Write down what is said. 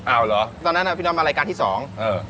อ้าวเหรอตอนนั้นอ่ะพี่น้องมารายการที่สองเออ